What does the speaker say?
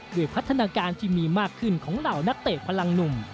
พัฒนาการที่มีมากขึ้นของเหล่านักเตะพลังหนุ่ม